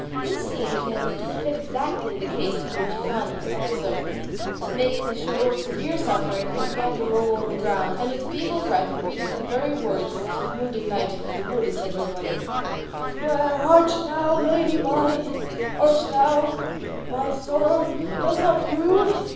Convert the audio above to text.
This seemed to him to fit exactly the case in which he found himself, so, making a show of severe suffering, he began to roll on the ground and with feeble breath repeat the very words which the wounded knight of the wood is said to have uttered: Where art thou, lady mine, that thou My sorrow dost not rue?